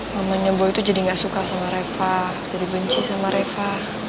mamanya boy jadi gak suka sama reva jadi benci sama reva